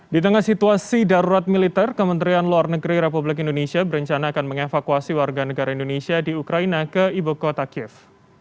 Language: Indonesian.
di tengah situasi darurat militer kementerian luar negeri republik indonesia berencana akan mengevakuasi warga negara indonesia di ukraina ke ibu kota kiev